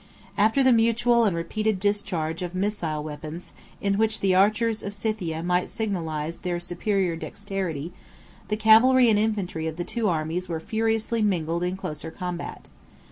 After the mutual and repeated discharge of missile weapons, in which the archers of Scythia might signalize their superior dexterity, the cavalry and infantry of the two armies were furiously mingled in closer combat.